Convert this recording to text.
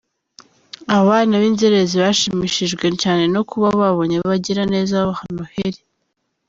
Abana b’inzererezi bashimishijwe cyane no kuba babonye abagiraneza babaha noheli.